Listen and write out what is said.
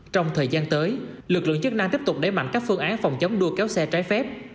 trong thời gian tới lực lượng chức năng tiếp tục đẩy mạnh các phương án phòng chống đua kéo xe trái phép